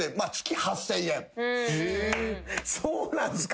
そうなんすか。